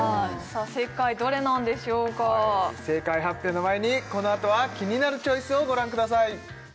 正解どれなんでしょうか正解発表の前にこのあとは「キニナルチョイス」をご覧ください